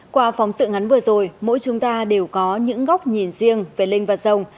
qua phóng sự ngắn vừa rồi mỗi chúng ta đều có những góc nhìn riêng về linh vật rồng